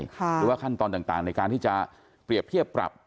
หรือว่าขั้นตอนต่างในการที่จะเปรียบเทียบปรับ